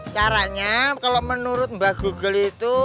caranya kalau menurut mbak google itu